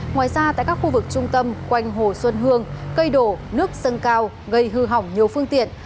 ngoài ra tại các khu vực trung tâm quanh hồ xuân hương cây đổ nước sâng cao gây hư hỏng nhiều phương tiện